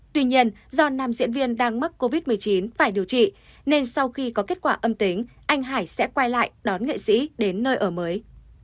tuy nhiên do nam diễn viên đang mắc covid một mươi chín phải điều trị nên sau khi có kết quả âm tính anh hải sẽ quay lại đón nghệ sĩ đến nơi ở mới